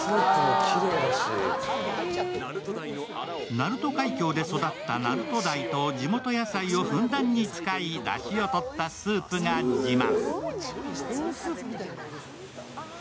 鳴門海峡で育った鳴門鯛と地元野菜をふんだんに使いだしをとったスープが自慢。